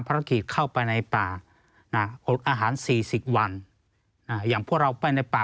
ภารกิจเข้าไปในป่าน่ะอกอาหารสี่สิบวันอ่าอย่างพวกเราไปในป่า